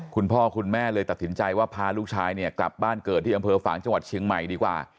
คุณพ่อคุณแม่เลยตัดสินใจว่าพาลูกชายเนี่ยกลับบ้านเกิดที่อำเภอฝางจังหวัดเชียงใหม่ดีกว่า